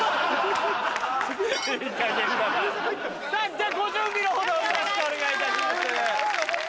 じゃご準備のほどよろしくお願いいたします。